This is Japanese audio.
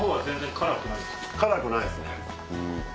辛くないですね。